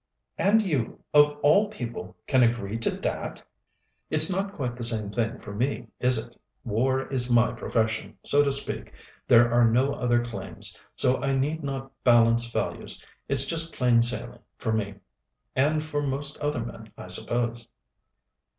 "And you, of all people, can agree to that?" "It's not quite the same thing for me, is it? War is my profession, so to speak. There are no other claims, so I need not balance values. It's just plain sailing for me. And for most other men, I suppose."